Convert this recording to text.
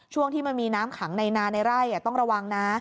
ที่มันมีน้ำขังในนาในไร่ต้องระวังนะ